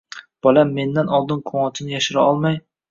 Bolam mendan oldin quvonchini yashira olmay